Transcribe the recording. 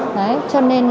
cho nên là không thể thiếu